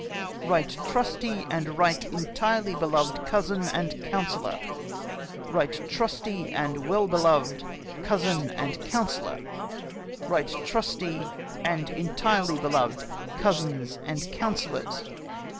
" Eight trusty and right entirely beloved cousin and council lor ! Eight trusty and right well beloved cousin and councillor ! Eight trusty and entirely beloved cousins and councillors